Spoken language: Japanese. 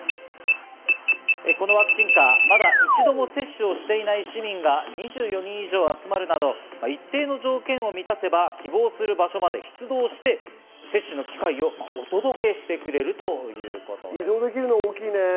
このワクチンカー、まだ一度も接種をしていない市民が２４人以上集まるなど一定の条件を満たせば希望する場所まで出動して接種の機会をお届けしてくれるということです。